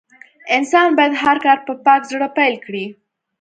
انسان بايد هر کار په پاک زړه پيل کړي.